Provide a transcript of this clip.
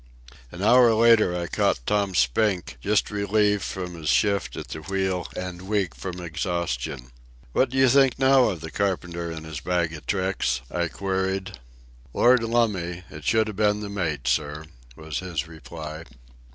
An hour later I caught Tom Spink, just relieved from his shift at the wheel and weak from exhaustion. "What do you think now of the carpenter and his bag of tricks?" I queried. "Lord lumme, it should a ben the mate, sir," was his reply.